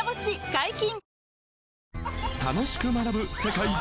解禁‼